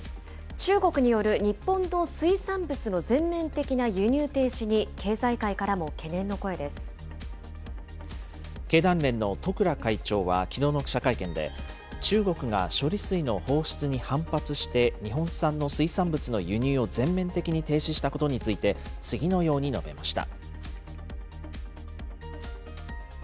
中国による日本の水産物の全面的な輸入停止に経済界からも懸念の経団連の十倉会長はきのうの記者会見で、中国が処理水の放出に反発して、日本産の水産物の輸入を全面的に停止したことについて、次のように述べました。